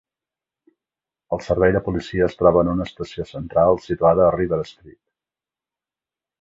El servei de policia es troba en una estació central situada a River Street.